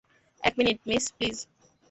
এক minute, miss, please.